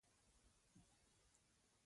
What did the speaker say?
د څېړنې نتیجو ته ورسېږي.